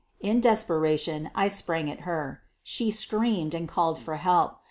In desperation I sprang at her. She screamed and called for help.